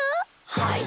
はい。